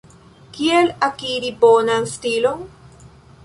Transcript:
Kiel akiri bonan stilon?